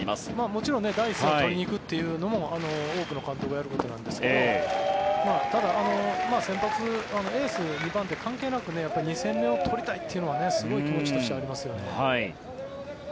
もちろん第１戦を取りに行くのも多くの監督がやることなんですがただ、先発エース、２番手関係なく２戦目を取りたいというのはすごく気持ちとしてありますね。